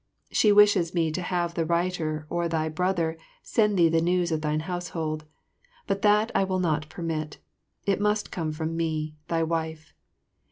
She wishes me to have the writer or thy brother send thee the news of thine household; but that I will not permit. It must come from me, thy wife.